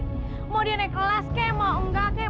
mau dia naik kelas kek mau enggak kek